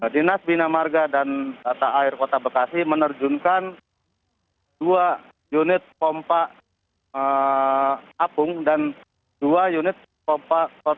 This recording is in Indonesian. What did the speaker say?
di nas binamarga dan data air kota bekasi menerjunkan dua unit pompa apung dan dua unit pompa kortis